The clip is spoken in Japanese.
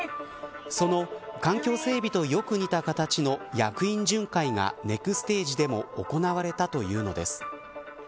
その環境整備とよく似た形の役員巡回が、ネクステージでも行われたというのです。